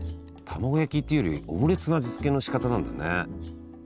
たまご焼きっていうよりオムレツの味付けのしかたなんだね。